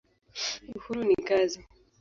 Uhuru ni kazi.